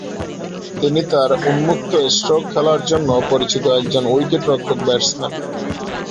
তিনি তার উন্মুক্ত স্ট্রোক খেলার জন্য পরিচিত একজন উইকেটরক্ষক-ব্যাটসম্যান।